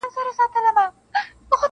ټلفون ته یې زنګ راغی د مېرمني -